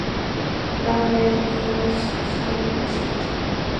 Banwell in North Somerset.